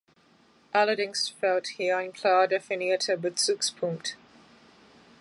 Allerdings fehlt hier ein klar definierter Bezugspunkt.